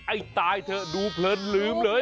ให้ตายเถอะดูเพลินลืมเลย